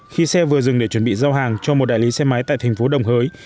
khi xe vừa dừng để chuẩn bị giao hàng cho một đại lý xe máy tại thành phố đồng hới